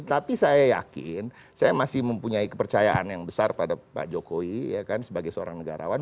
tapi saya yakin saya masih mempunyai kepercayaan yang besar pada pak jokowi sebagai seorang negarawan